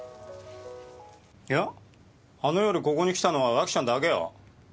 いやあの夜ここに来たのは脇ちゃんだけよ。